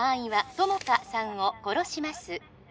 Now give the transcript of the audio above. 友果さんを殺します